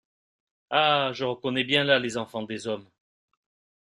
Ah !… je reconnais bien là les enfants des hommes…